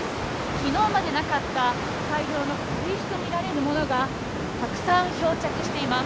昨日まではなかった、大量の軽石とみられるものがたくさん漂着しています。